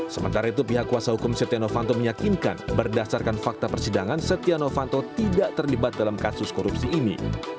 sementara itu pihak kuasa hukum setia novanto meyakinkan berdasarkan fakta persidangan setia novanto tidak terlibat dalam kasus korupsi ini